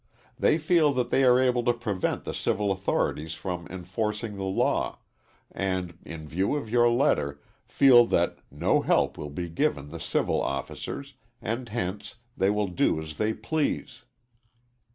They feel that they are able to prevent the civil authorities from enforcing the law, and, in view of your letter, they feel that no help will be given the civil officers, and hence they will do as they please.